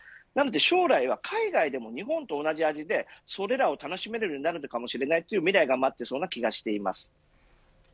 将来は海外でも日本と同じ味でそれらを楽しめるようなるのかもしれないという未来が待っていそうな気がしています。